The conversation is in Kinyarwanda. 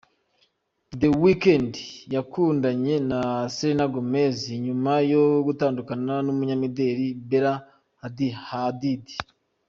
The weekend yakundanye na selena Gomez nyuma yo gutandukana n’umunyamideli Bella Hadid .